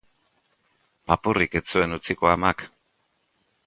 Papurrik ez zuen utziko amak!